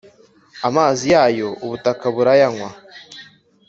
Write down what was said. amazi yayo ubutaka burayanywa,